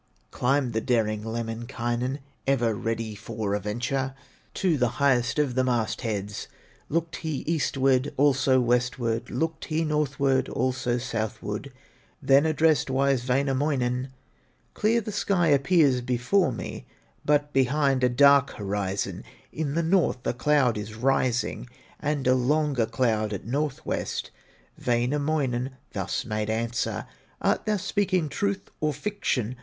Climbed the daring Lemminkainen, Ever ready for a venture, To the highest of the mastheads; Looked he eastward, also westward, Looked he northward, also southward, Then addressed wise Wainamoinen: "Clear the sky appears before me, But behind a dark horizon; In the north a cloud is rising, And a longer cloud at north west." Wainamoinen thus made answer: "Art thou speaking truth or fiction?